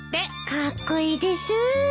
カッコイイです。